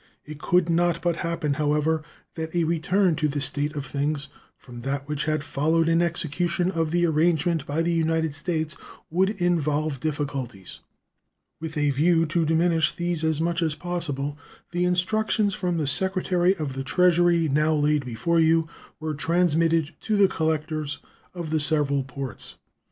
It could not but happen, however, that a return to this state of things from that which had followed an execution of the arrangement by the United States would involve difficulties. With a view to diminish these as much as possible, the instructions from the Secretary of the Treasury now laid before you were transmitted to the collectors of the several ports.